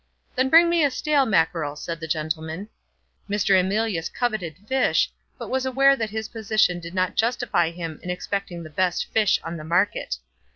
"Then bring me a stale mackerel," said the gentleman. Mr. Emilius coveted fish, but was aware that his position did not justify him in expecting the best fish on the market.